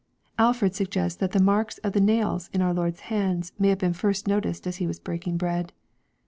Alford suggests that the marks of the nails in our Lord's hands may have been first noticed as He was breaking bread.